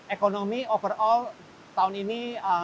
ekonomi overall tahun ini